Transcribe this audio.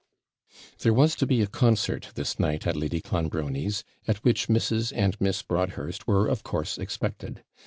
There was to be a concert this night at Lady Clonbrony's, at which Mrs. and Miss Broadhurst were, of course, expected.